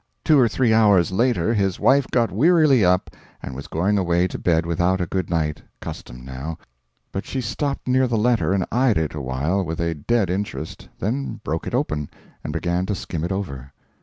Two or three hours later his wife got wearily up and was going away to bed without a good night custom now but she stopped near the letter and eyed it awhile with a dead interest, then broke it open, and began to skim it over.